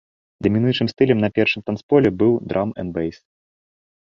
Дамінуючым стылем на першым танцполе быў драм'энд'бэйс.